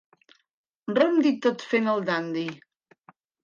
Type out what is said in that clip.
Rondi tot fent el dandi.